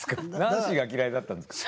ナンシーが嫌いだったんですか？